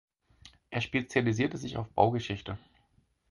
Er spezialisierte sich auf Baugeschichte.